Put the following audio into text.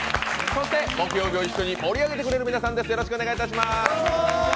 そして木曜日を一緒に盛り上げてくれる皆さんです。